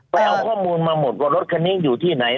เอาข้อมูลมาหมดว่ารถคันนี้อยู่ที่ไหน